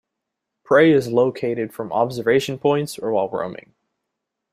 Prey is located from observation points or while roaming.